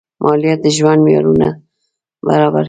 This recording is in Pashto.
مالیات د ژوند معیارونه برابر کړي.